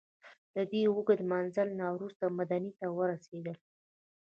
له دې اوږده مزل نه وروسته مدینې ته ورسېدل.